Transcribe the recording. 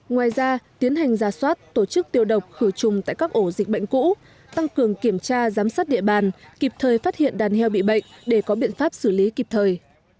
ngoài ra tiến hành ra soát tổ chức tiêu độc khử trùng tại các ổ dịch bệnh cũ tăng cường kiểm tra giám sát địa bàn kịp thời phát hiện đàn heo bị bệnh để có biện pháp xử lý kịp thời